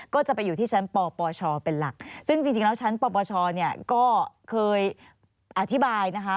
ก็จะไปอยู่ที่ชั้นปปชเป็นหลักซึ่งจริงแล้วชั้นปปชเนี่ยก็เคยอธิบายนะคะ